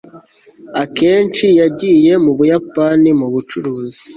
akenshi yagiye mu buyapani mu bucuruzi